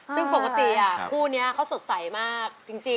ซึ่งปกติคู่นี้เขาสดใสมากจริง